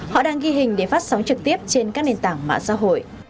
họ đang ghi hình để phát sóng trực tiếp trên các nền tảng mạng xã hội